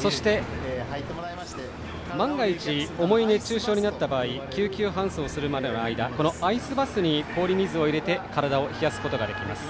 そして、万が一重い熱中症になった場合救急搬送するまでの間アイスバスに氷水を入れて体を冷やすことができます。